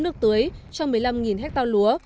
nước tưới trong một mươi năm ha lúa